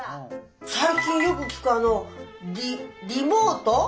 最近よく聞くあのリリモート？